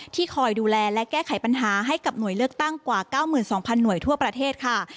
คอยดูแลและแก้ไขปัญหาให้กับหน่วยเลือกตั้งกว่า๙๒๐๐หน่วยทั่วประเทศค่ะ